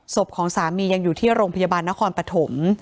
ศพของสามียังอยู่ที่โรงพยาบาลนครปฐม